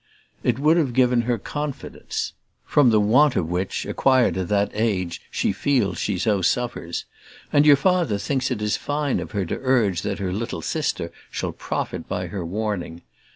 It would have given her confidence from the want of which, acquired at that age, she feels she so suffers; and your Father thinks it fine of her to urge that her little sister shall profit by her warning.